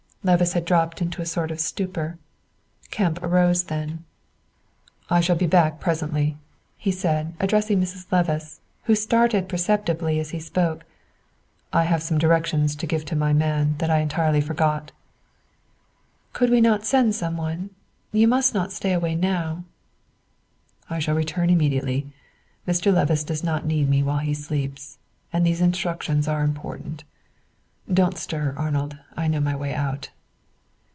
Levice had dropped into a sort of stupor. Kemp arose then. "I shall be back presently," he said, addressing Mrs. Levice, who started perceptibly as he spoke. "I have some few directions to give to my man that I entirely forgot." "Could not we send some one? You must not stay away now." "I shall return immediately. Mr. Levice does not need me while he sleeps, and these instructions are important. Don't stir, Arnold; I know my way out."